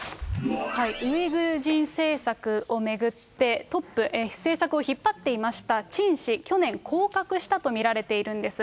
ウイグル人政策を巡って、トップ、政策を引っ張っていました陳氏、去年、降格と見られているんです。